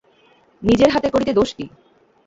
নিজের হাতে করিতে দোষ কী।